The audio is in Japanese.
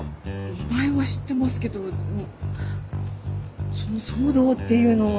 名前は知ってますけどその騒動っていうのは。